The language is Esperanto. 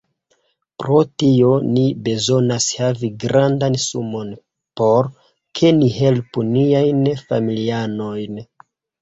Pro tio, ni bezonas havi grandan sumon por ke ni helpu niajn familianojn